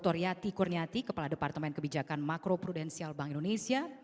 ibu dr yati kurniati kepala departemen kebijakan makro prudensial bank indonesia